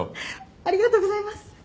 ありがとうございます！